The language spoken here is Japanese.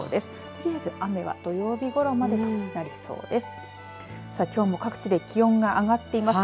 とりあえず雨は土曜日ごろまでとなりそうです。